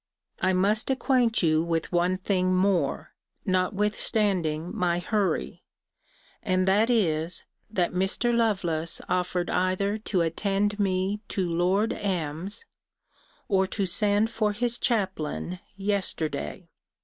I must acquaint you wit one thing more, notwithstanding my hurry; and that is, that Mr. Lovelace offered either to attend me to Lord M.'s, or to send for his chaplain, yesterday.